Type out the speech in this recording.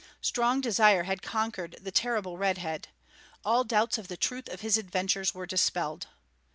Strong Desire had conquered the terrible Red Head! All doubts of the truth of his adventures were dispelled.